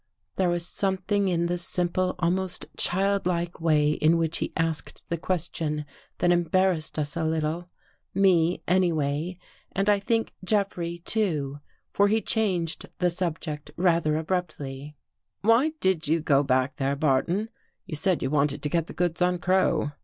There was something in the simple, almost child like way in which he asked the question, that em barrassed us a little. Me, anyway, and I think Jeff rey, too, for he changed the subject rather abruptly. "Why did you go back there. Barton? You said you wanted to get the goods on Crow."